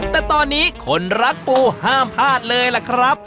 แต่ตอนนี้คนรักปูห้ามพลาดเลยล่ะครับ